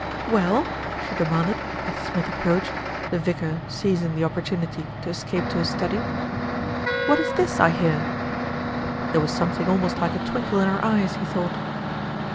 "Well?" she demanded, as Smith approached, the vicar seizing the opportunity to escape to his study. "What is this I hear?" There was something almost like a twinkle in her eyes, he thought.